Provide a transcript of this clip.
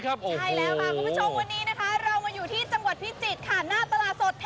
ขาดหน้าตลาดสดเทศบาลเมืองพิจิตย์